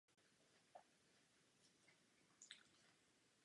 Její podoba byla vybrána mezi více než stem návrhů místních obyvatel.